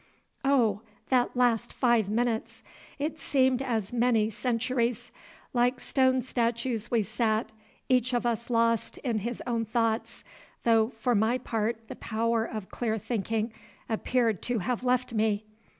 Oh! that last five minutes! It seemed as many centuries. Like stone statues we sat, each of us lost in his own thoughts, though for my part the power of clear thinking appeared to have left me.